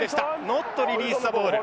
ノットリリースザボール。